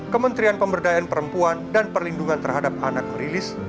kementerian pemberdayaan perempuan dan perlindungan terhadap anak merilis